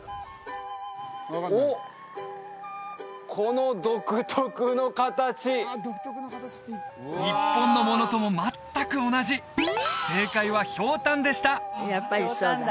おっこの独特の形日本のものとも全く同じ正解は「ヒョウタン」でしたヒョウタンだ